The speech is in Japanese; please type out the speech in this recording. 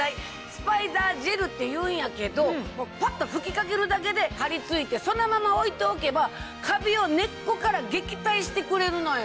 「スパイダージェル」っていうんやけどパッと吹きかけるだけで張り付いてそのまま置いておけばカビを根っこから撃退してくれるのよ。